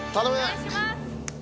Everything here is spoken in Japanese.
お願いします。